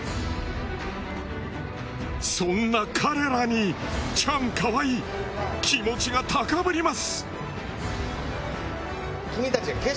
そんな彼らにチャンカワイ気持ちが高ぶります。